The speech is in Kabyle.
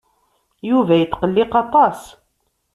Yuba yetqelliq aṭas.